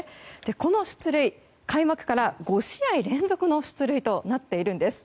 この出塁、開幕から５試合連続の出塁となっているんです。